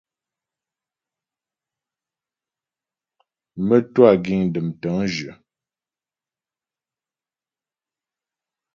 Mə́twâ giŋ dəm tə̂ŋjyə.